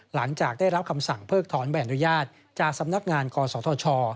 หลังจากได้รับคำสั่งเพิกถอนใบอนุญาตจากสำนักงานกศธช